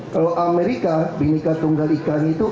kalau amerika binika tunggal ikan itu